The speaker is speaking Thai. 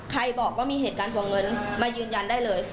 บอกว่ามีเหตุการณ์ทวงเงินมายืนยันได้เลย